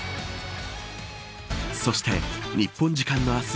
そして、日本時間の明日